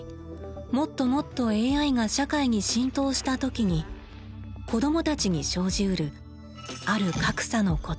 もっともっとＡＩが社会に浸透した時に子どもたちに生じうるある「格差」のこと。